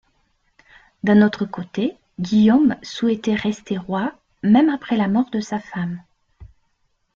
D'un autre côté, Guillaume souhaitait rester roi même après la mort de sa femme.